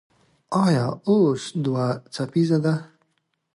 ایا اوس دوه څپیزه ده؟